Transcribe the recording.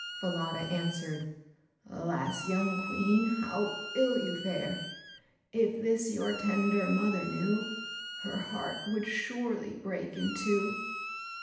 Falada answered, "Alas, young Queen, how ill you fare! If this your tender mother knew, Her heart would surely break in two."